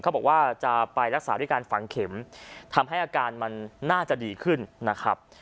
เขาบอกว่าจะไปรักษาด้วยการฝังเข็มทำให้อาการมันน่าจะดีขึ้นนะครับ